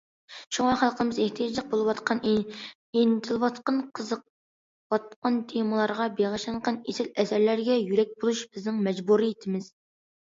شۇڭا خەلقىمىز ئېھتىياجلىق بولۇۋاتقان، ئىنتىلىۋاتقان، قىزىقىۋاتقان تېمىلارغا بېغىشلانغان ئېسىل ئەسەرلەرگە يۆلەك بولۇش بىزنىڭ مەجبۇرىيىتىمىز.